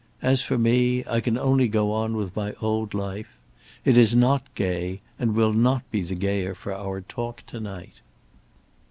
As for me, I can only go on with my old life. It is not gay, and will not be the gayer for our talk to night."